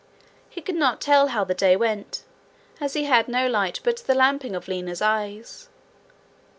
He could not tell how the day went, as he had no light but the lamping of Lina's eyes.